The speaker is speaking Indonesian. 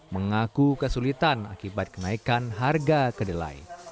mengaku kesulitan akibat kenaikan harga kedelai